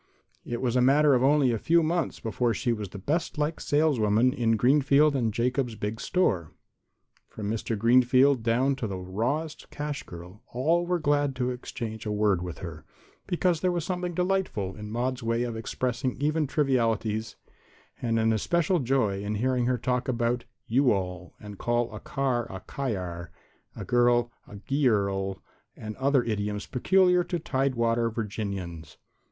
It was a matter of only a few months before she was the best liked saleswoman in Greenfield & Jacobs' big store. From Mr. Greenfield down to the rawest cash girl all were glad to exchange a word with her, because there was something delightful in Maude's way of expressing even trivialities, and an especial joy in hearing her talk about "you all" and call a car "kyar," a girl "giurl" and other idioms peculiar to Tidewater Virginians.